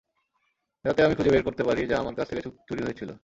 যাতে আমি খুঁজে বের করতে পারি যা আমার কাছ থেকে চুরি হয়েছিল।